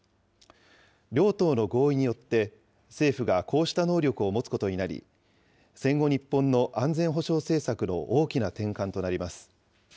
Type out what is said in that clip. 両党の合意によって、政府がこうした能力を持つことになり、戦後日本の安全保障政策の大きな転換となります。